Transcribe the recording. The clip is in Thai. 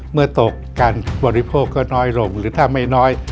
เมื่อตกการบริโภคก็น้อยลงหรือถ้าไม่น้อย